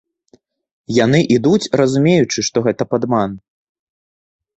Яны ідуць разумеючы, што гэта падман.